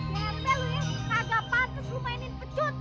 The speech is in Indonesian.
jempen lo ya kagak patus lo mainin pecut